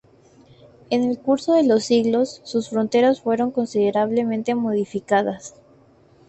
En el curso de los siglos, sus fronteras fueron considerablemente modificadas.